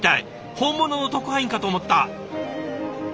本物の特派員かと思った！